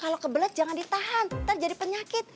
kalau kebelet jangan ditahan ntar jadi penyakit